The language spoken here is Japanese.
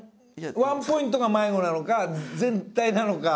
ワンポイントが迷子なのか全体なのか。